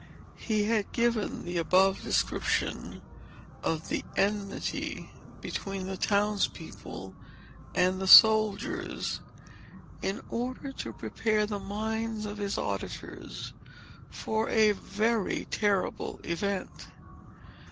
He had given the above description of the enmity between the town's people and the soldiers, in order to prepare the minds of his auditors for a very terrible event.